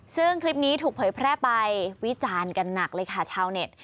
ซึ่งคลิปนี้ถูกเผยแพร่ไปวิจารณ์กันหนักเลยค่ะชาวเน็ต